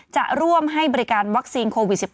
จะร่วมให้บริการวัคซีนโควิด๑๙